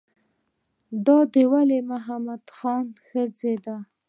دا د ولی محمد خان ښځه ده.